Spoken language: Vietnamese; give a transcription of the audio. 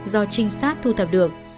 do trinh sát thu thập được